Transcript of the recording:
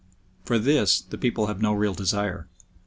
For this the people have no real desire.